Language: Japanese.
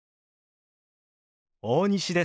大西です。